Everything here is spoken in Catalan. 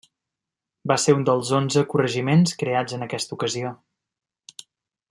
Va ser un dels onze corregiments creats en aquesta ocasió.